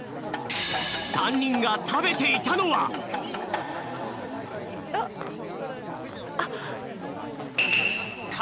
３にんがたべていたのはあっあっ！